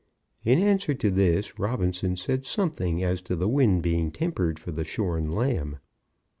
In answer to this Robinson said something as to the wind being tempered for the shorn lamb.